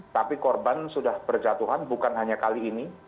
tapi korban sudah berjatuhan bukan hanya kali ini